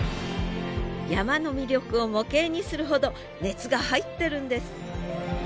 山の魅力を模型にするほど熱が入ってるんです